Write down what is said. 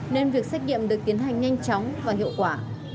nên việc xét nghiệm được tiến hành nhanh chóng và hiệu quả